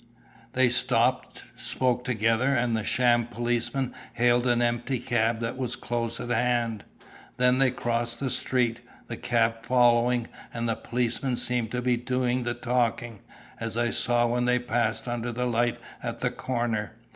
They stopped, spoke together, and the sham policeman hailed an empty cab that was close at hand; then they crossed the street, the cab following, and the policeman seemed to be doing the talking, as I saw when they passed under the light at the corner.